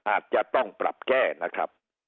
อาจจะต้องปรับแก้นะครับ